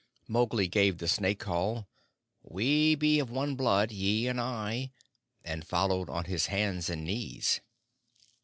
Mowgli gave the snake call "We be of one blood, ye and I," and followed on his hands and knees.